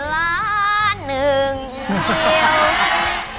ล้านหนึ่งเดียว